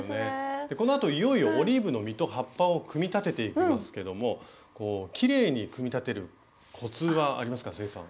このあといよいよオリーブの実と葉っぱを組み立てていきますけどもきれいに組み立てるコツはありますか清さん。